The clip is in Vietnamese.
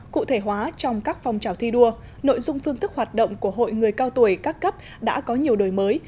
cụ thể hóa trong các phong trào thi đua nội dung phương thức hoạt động của hội người cao tuổi các cấp đã có nhiều đổi mới